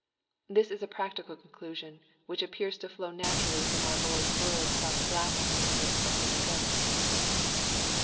This is a practical conclusion which appears to flow naturally from our Lord's words about the blasphemy against the Holy Ghost.